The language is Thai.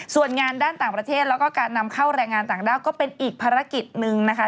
ส่วนงานด้านต่างประเทศแล้วก็การนำเข้าแรงงานต่างด้าวก็เป็นอีกภารกิจหนึ่งนะคะ